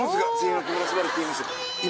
今。